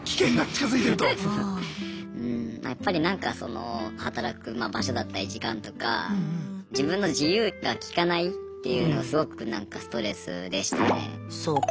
うんやっぱりなんかその働くまあ場所だったり時間とか自分の自由がきかないっていうのがすごくなんかストレスでしたね。